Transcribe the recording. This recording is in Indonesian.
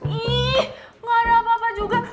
ih gak ada apa apa juga